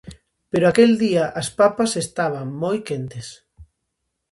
Pero aquel día as papas estaban moi quentes.